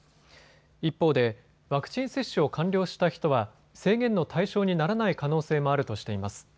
一方でワクチン接種を完了した人は制限の対象にならない可能性もあるとしています。